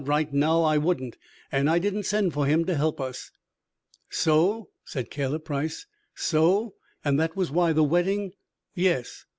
right now I wouldn't; and I didn't send for him to help us!" "So!" said Caleb Price. "So! And that was why the wedding " "Yes!